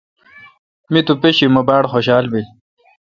می تو پیشی مہ باڑ خوشال بل۔